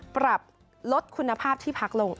ปรับลดคุณภาพที่พักลง